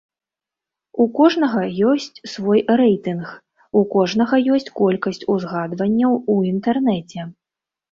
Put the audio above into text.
У кожнага ёсць свой рэйтынг, у кожнага ёсць колькасць узгадванняў ў інтэрнэце.